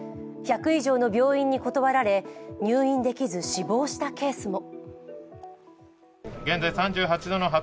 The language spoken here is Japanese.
１００以上の病院に断られ、入院できず死亡したケースも。